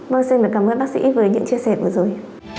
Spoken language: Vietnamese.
vâng xin cảm ơn bác sĩ với những chia sẻ vừa rồi